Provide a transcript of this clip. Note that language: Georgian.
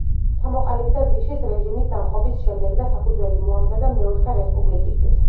ჩამოყალიბდა ვიშის რეჟიმის დამხობის შემდეგ და საფუძველი მოამზადა მეოთხე რესპუბლიკისთვის.